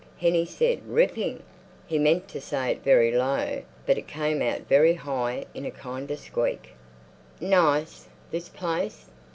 Hennie said: "Ripping!" He meant to say it very low, but it came out very high in a kind of squeak. Nice? This place?